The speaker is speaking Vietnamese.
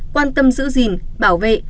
quan tâm giữ gìn bảo vệ